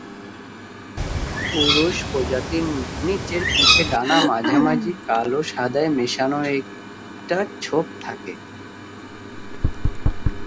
পুরুষ প্রজাপতির নিচের পিঠে ডানার মাঝামাঝি কালো সাদায় মেশানো একটা ছোপ থাকে।